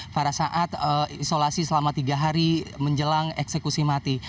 pada saat isolasi selama tiga hari menjelang eksekusi mati